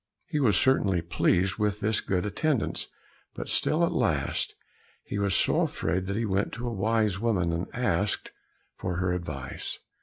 He was certainly pleased with this good attendance, but still at last he was so afraid that he went to a wise woman and asked for her advice.